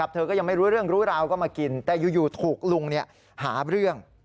เธอก็ยังไม่รู้เรื่องรู้ราวก็มากินแต่อยู่ถูกลุงหาเรื่อง